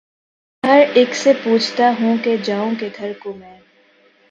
ہر اک سے پوچھتا ہوں کہ ’’ جاؤں کدھر کو میں